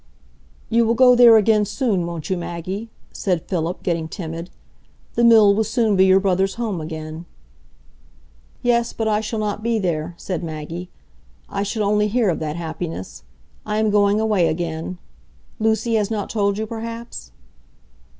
"You will go there again soon, won't you, Maggie?" said Philip, getting timid. "The Mill will soon be your brother's home again." "Yes; but I shall not be there," said Maggie. "I shall only hear of that happiness. I am going away again; Lucy has not told you, perhaps?"